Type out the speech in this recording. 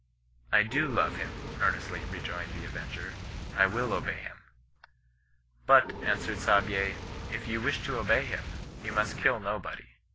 ' I do love him,' earnestly rejoined the avenger ; I wiU obey him.' * But,' answered Saabye, * if you wish to obey him, you must kill nobody.